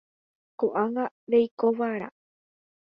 Ko'ág̃a reikova'erã.